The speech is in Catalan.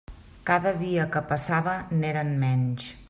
Cada dia que passava n'eren menys.